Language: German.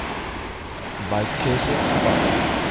Waldkirche erbaut.